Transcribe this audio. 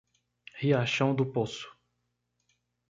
Riachão do Poço